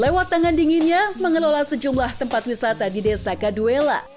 lewat tangan dinginnya mengelola sejumlah tempat wisata di desa kaduela